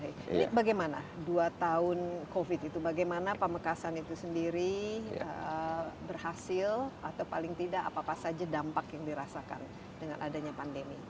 ini bagaimana dua tahun covid itu bagaimana pamekasan itu sendiri berhasil atau paling tidak apa apa saja dampak yang dirasakan dengan adanya pandemi